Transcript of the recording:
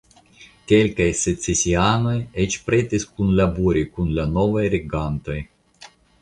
Kelkaj secesianoj eĉ pretis kunlabori kun la novaj regantoj.